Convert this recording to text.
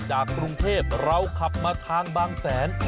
กรุงเทพเราขับมาทางบางแสน